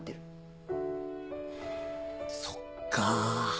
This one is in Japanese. そっか。